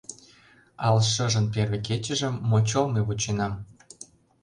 Ал шыжын первый кечыжым Мочол мый вученам!